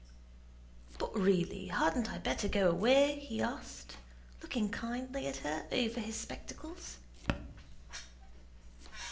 "But really, hadn't I better go away?" he asked, looking kindly at her over his spectacles.